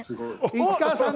市川さん